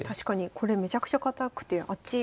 これめちゃくちゃ堅くてあっち